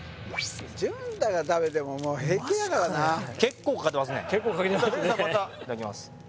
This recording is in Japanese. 淳太が食べてももう平気だからな結構かかってますねじゃあ淳太さんまたいただきます